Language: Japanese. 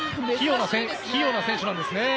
器用な選手なんですね。